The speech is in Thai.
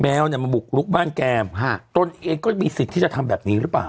เนี่ยมาบุกลุกบ้านแกฮะตนเองก็มีสิทธิ์ที่จะทำแบบนี้หรือเปล่า